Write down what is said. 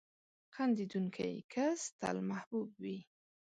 • خندېدونکی کس تل محبوب وي.